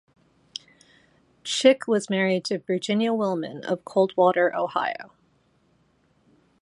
Schick was married to Virginia Willman of Coldwater Ohio.